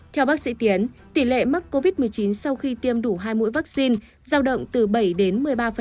theo bác sĩ tiến tỷ lệ mắc covid một mươi chín sau khi tiêm đủ hai mũi vaccine giao động từ bảy đến một mươi ba